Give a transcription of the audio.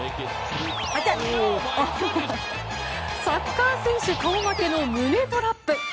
サッカー選手顔負けの胸トラップ。